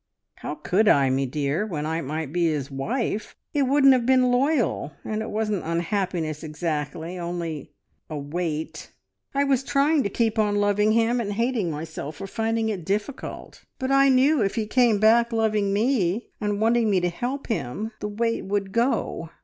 "How could I, me dear, when I might be his wife? It wouldn't have been loyal. And it wasn't unhappiness exactly, only a weight. I was trying to keep on loving him, and hating myself for finding it difficult, but I knew if he came back loving me, and wanting me to help him, the weight would go.